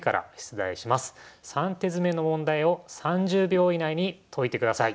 ３手詰の問題を３０秒以内に解いてください。